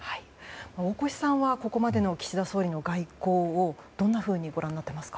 大越さんはここまでの岸田総理の外交をどんなふうにご覧になっていますか。